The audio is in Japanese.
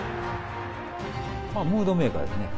ムードメーカーですね。